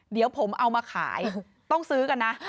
เดี๋ยวผมเอามาขายต้องซื้อกันนะ